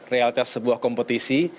realitas sebuah kompetisi